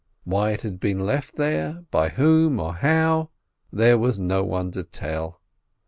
Why it had been left there, by whom, or how, there was no one to tell.